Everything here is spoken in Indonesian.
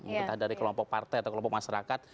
entah dari kelompok partai atau kelompok masyarakat